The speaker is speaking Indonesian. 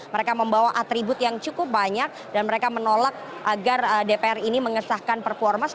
mereka membawa atribut yang cukup banyak dan mereka menolak agar dpr ini mengesahkan perpu ormas